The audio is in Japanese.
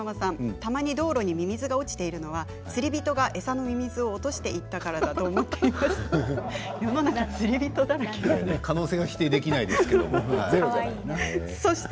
たまに道路にミミズが落ちているのは釣り人が餌のミミズを落としていったからだと思っていました。